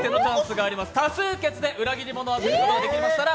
多数決で裏切り者を当てることができましたら